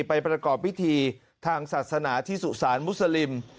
ประกอบพิธีทางศาสนาที่สุสานมุสลิม